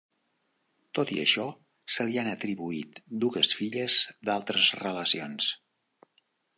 Tot i això se li han atribuït dues filles d'altres relacions.